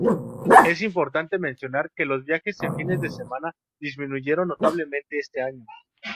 Es importante mencionar que los viajes en fines de semana disminuyeron notablemente este año.